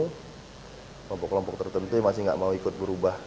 kelompok kelompok tertentu masih tidak mau ikut berubah